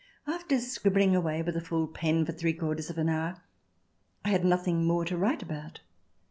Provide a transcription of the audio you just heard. After scribbling away with a full pen for three quarters of an hour I had nothing more to write about.